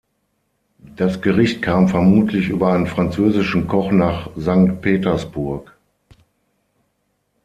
Das Gericht kam vermutlich über einen französischen Koch nach Sankt Petersburg.